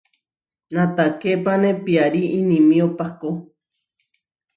Natahképane piarí inimió pahkó.